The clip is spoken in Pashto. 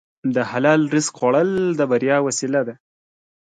د حلال رزق خوړل د بریا وسیله ده.